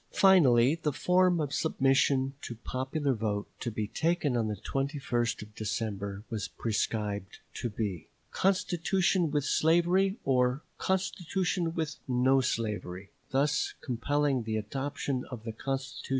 Finally the form of submission to popular vote to be taken on the 21st of December was prescribed to be, "constitution with slavery" or "constitution with no slavery," thus compelling the adoption of the constitution in any event.